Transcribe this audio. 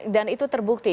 dan itu terbukti